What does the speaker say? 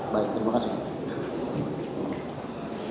baik terima kasih